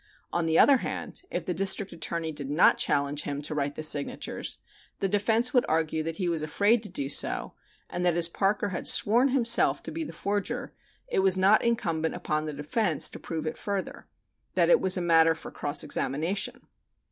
On the other hand if the District Attorney did not challenge him to write the signatures, the defense would argue that he was afraid to do so, and that as Parker had sworn himself to be the forger it was not incumbent upon the defense to prove it further that that was a matter for cross examination.